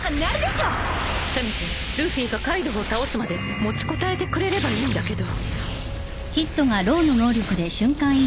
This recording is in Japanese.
［せめてルフィがカイドウを倒すまで持ちこたえてくれればいいんだけど］